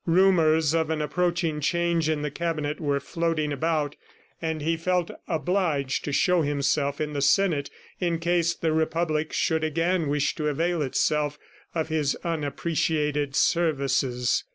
Rumors of an approaching change in the cabinet were floating about, and he felt obliged to show himself in the senate in case the Republic should again wish to avail itself of his unappreciated services.